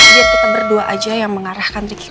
biar kita berdua aja yang mengarahkan trik ke depan